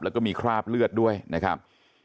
แล้วก็มีคราบเลือดด้วยนะครับ